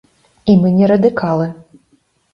І мы не радыкалы.